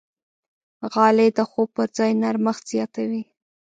غالۍ د خوب پر ځای نرمښت زیاتوي.